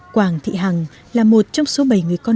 quảng thị hằng là một trong số bảy người con